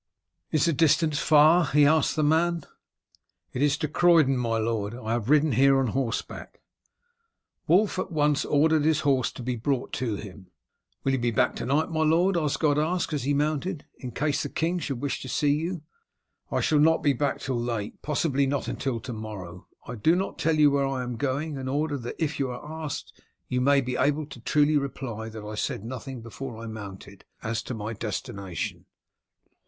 _" "Is the distance far?" he asked the man. "It is to Croydon, my lord. I have ridden here on horseback." Wulf at once ordered his horse to be brought to him. "Will you be back to night, my lord," Osgod asked, as he mounted, "in case the king should wish to see you?" "I shall not be back till late, possibly not until to morrow I do not tell you where I am going, in order that if you are asked you may be able truly to reply that I said nothing before I mounted, as to my destination."